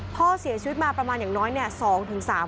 พ่อเสียชีวิตมาประมาณอย่างน้อยเนี่ย